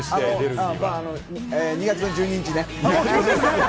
２月１２日ね。